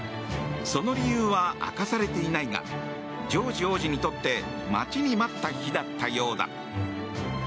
その理由は明かされていないがジョージ王子にとって待ちに待った日だったようだ。